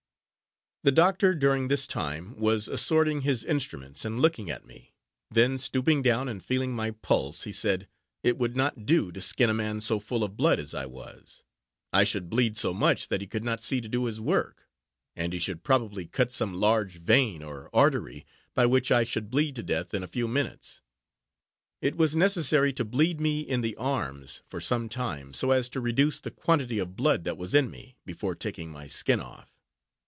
The doctor, during this time, was assorting his instruments, and looking at me then stooping down, and feeling my pulse, he said, it would not do to skin a man so full of blood as I was. I should bleed so much that he could not see to do his work; and he should probably cut some large vein, or artery, by which I should bleed to death in a few minutes; it was necessary to bleed me in the arms for some time, so as to reduce the quantity of blood that was in me, before taking my skin off.